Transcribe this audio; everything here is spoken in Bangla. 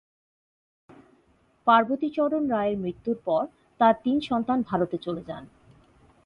পার্বতী চরণ রায়ের মৃত্যুর পর তার তিন সন্তান ভারতে চলে যান।